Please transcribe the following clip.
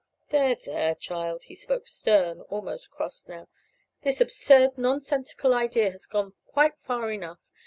"There, there, child!" He spoke, stern and almost cross now. "This absurd, nonsensical idea has gone quite far enough.